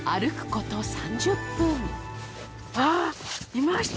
いました